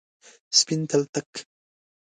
سپین تلتک،